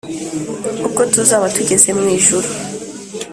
Ubwo tuzaba tugeze mwijuru